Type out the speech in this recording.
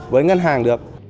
với ngân hàng được